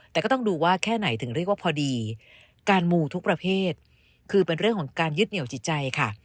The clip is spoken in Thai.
แต่ก็ต้องดูว่าแค่ไหนถึงเรียกว่าพอดีการมูทุกประเภทคือเป็นเรื่องของการยึดเหนียวจิตใจค่ะ